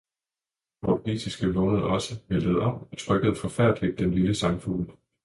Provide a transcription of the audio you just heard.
den portugisiske vågnede også, væltede om og trykkede forfærdeligt den lille sangfugl.